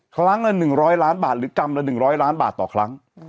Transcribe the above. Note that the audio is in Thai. ครั้งละ๑๐๐ล้านบาทหรือกรัมละ๑๐๐ล้านบาทต่อครั้ง